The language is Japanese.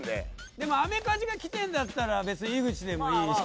でもアメカジがきてるんだったら別に井口でもいいし。